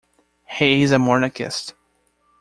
He is a monarchist.